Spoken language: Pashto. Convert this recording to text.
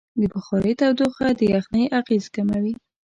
د بخارۍ تودوخه د یخنۍ اغېز کموي.